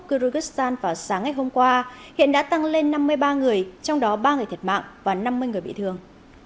kyrgyzstan vào sáng ngày hôm qua hiện đã tăng lên năm mươi ba người trong đó ba người thiệt mạng và năm mươi người bị thương